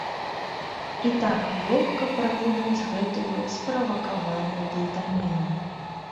І так лёгка праглынуць гэтую справакаваную блытаніну!